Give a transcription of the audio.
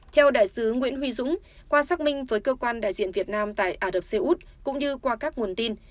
theo đại sứ nguyễn huy dũng qua xác minh với cơ quan đại diện việt nam tại adepseut cũng như qua các nguồn tin